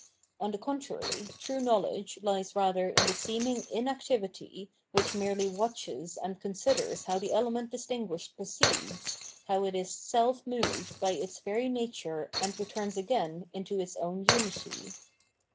On the contrary, true knowledge lies rather in the seeming inactivity which merely watches and considers how the element distinguished proceeds, how it is self moved by its very nature and returns again into its own unity.